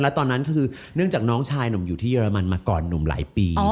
ตอนนั้นคือเนื่องจากน้องชายหนุ่มอยู่ที่เรมันมาก่อนหนุ่มหลายปี